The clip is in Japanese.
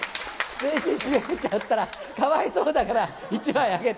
全身しびれちゃったら、かわいそうだから１枚あげて。